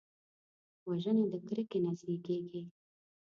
وژنه د کرکې نه زیږېږي